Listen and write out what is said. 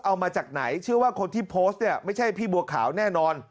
เอามาจากไหนเชื่อว่าคนที่โพสต์เนี่ยไม่ใช่พี่บัวขาวแน่นอน